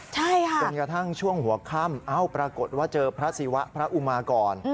ใช่ค่ะจนกระทั่งช่วงหัวค่ำเอ้าปรากฏว่าเจอพระศิวะพระอุมาก่อน